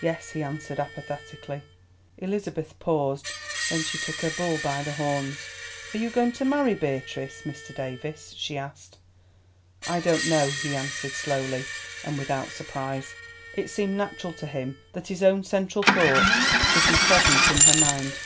"Yes," he answered apathetically. Elizabeth paused. Then she took her bull by the horns. "Are you going to marry Beatrice, Mr. Davies?" she asked. "I don't know," he answered slowly and without surprise. It seemed natural to him that his own central thought should be present in her mind.